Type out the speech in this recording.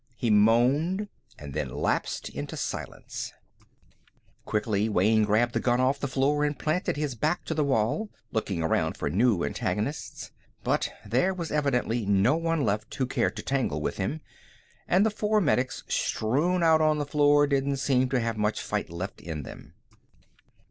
He moaned and then lapsed into silence. Quickly, Wayne grabbed the gun off the floor and planted his back to the wall, looking around for new antagonists. But there was evidently no one left who cared to tangle with him, and the four medics strewn out on the floor didn't seem to have much fight left in them.